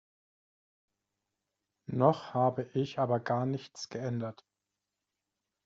Noch habe ich aber gar nichts geändert.